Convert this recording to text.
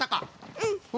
うん。